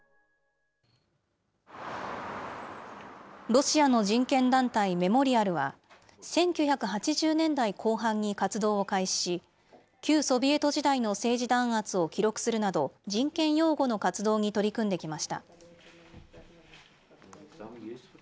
ロシアの人権団体、メモリアルは、１９８０年代後半に活動を開始し、旧ソビエト時代の政治弾圧を記録するなど、人権擁護の活動に取り組んできました。